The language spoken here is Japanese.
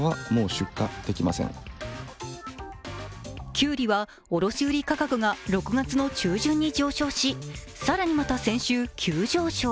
きゅうりは卸売価格が６月の中旬に上昇し、更に、また先週、急上昇。